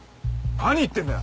何言ってんだよ！